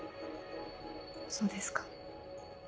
そうですか。